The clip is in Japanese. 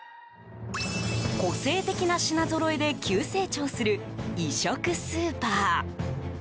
個性的な品ぞろえで急成長する異色スーパー。